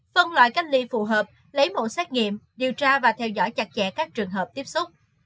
phân loại cách ly phù hợp lấy mẫu xét nghiệm điều tra và theo dõi chặt chẽ các trường hợp tiếp xúc